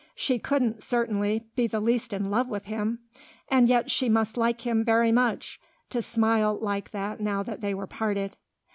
She couldn't, certainly, be the least in love with him, and yet she must like him very much, to smile like that now that they were parted.